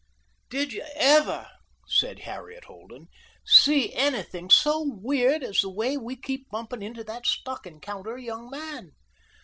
"Did you ever," said Harriet Holden, "see anything so weird as the way we keep bumping into that stocking counter young man?"